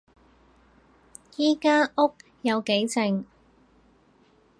依間屋有幾靜